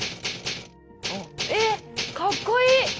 えっかっこいい！